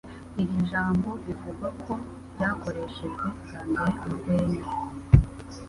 Iri jambo bivugwa ko ryakoreshejwe bwa mbere mu rwenya